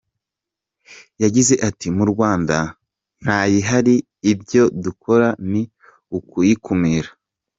Yagize ati “Mu Rwanda ntayihari ibyo dukora ni ukuyikumira.